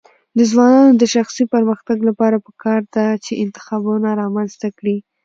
د ځوانانو د شخصي پرمختګ لپاره پکار ده چې انتخابونه رامنځته کړي.